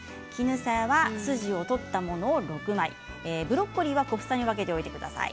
絹さやは筋を取ったものを６枚ブロッコリーは小房に分けておいてください。